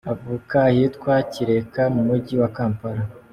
Avuka ahitwa Kireka mu mujyi wa Kampala.